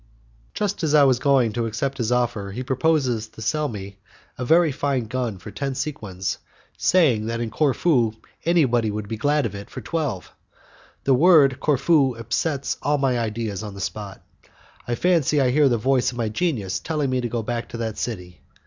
Just as I was going to accept his offer he proposes to sell me a very fine gun for ten sequins, saying that in Corfu anyone would be glad of it for twelve. The word Corfu upsets all my ideas on the spot! I fancy I hear the voice of my genius telling me to go back to that city.